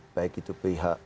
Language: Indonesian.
baik itu pihak